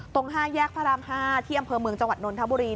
ตรง๕แยกพระราม๕ที่อำเภอเมืองจังหวัดนนทบุรี